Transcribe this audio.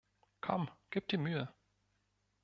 Komm, gib dir Mühe!